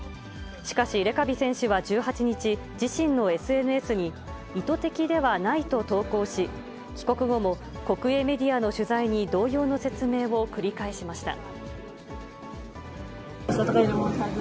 しかし、レカビ選手は１８日、自身のＳＮＳに、意図的ではないと投稿し、帰国後も国営メディアの取材に同様の説明を繰り返しました。